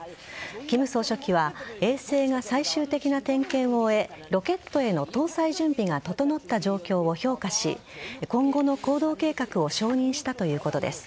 金総書記は衛星が最終的な点検を終えロケットへの搭載準備が整った状況を評価し今後の行動計画を承認したということです。